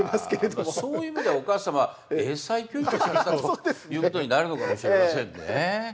でもそういう意味ではお母様は英才教育をされてたということになるのかもしれませんね。